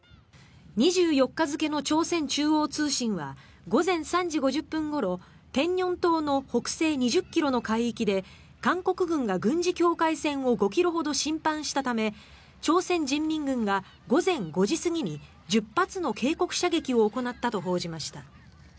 ２４日付の朝鮮中央通信は午前３時５０分ごろペンニョン島の北西２０ｋｍの海域で韓国軍が軍事境界線を５ｋｍほど侵犯したため朝鮮人民軍が午前５時過ぎに１０発の警告射撃を行ったと報じました。